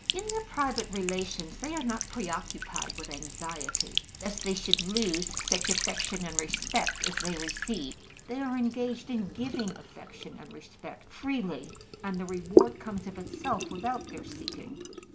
In their private relations they are not pre occupied with anxiety lest they should lose such affection and respect as they receive: they are engaged in giving affection and respect freely, and the reward comes of itself without their seeking.